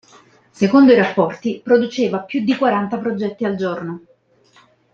Secondo i rapporti produceva più di quaranta progetti al giorno.